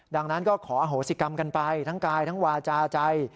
ดังนั้นก็ขออโหสิกรรมกันไปทั้งกายทั้งวาจาใจ